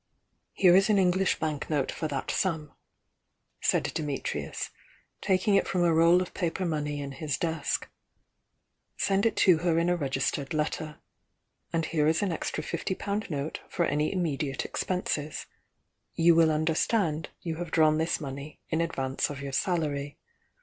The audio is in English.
"Here is an English bank note for that sum," said Dimitrius, taking it from a roll of paper money in his desk. "Send it to her in a registered letter. And here is an extra fifty pound note for any immediate expenses, — you will understand you have drawn this money in advance of your salary.